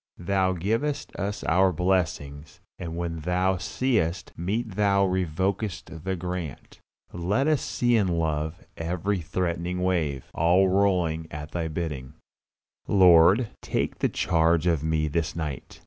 Thou givest us our blessings; and when Thou seest meet Thou revokest the grant. Let us see love in every threatening wave, all rolling at Thy bidding. Lord, take the charge of me this night.